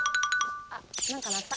あっ何か鳴った。